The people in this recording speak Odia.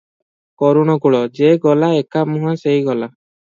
କରଣକୁଳ, ଯେ ଗଲା, ଏକମୁହାଁ ସେହି ଗଲା ।